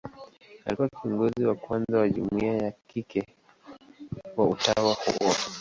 Alikuwa kiongozi wa kwanza wa jumuia ya kike wa utawa huo.